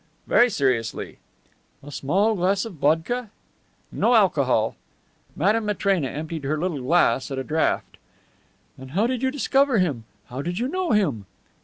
"Very seriously." "A small glass of vodka?" "No alcohol." Madame Matrena emptied her little glass at a draught. "And how did you discover him? How did you know him?"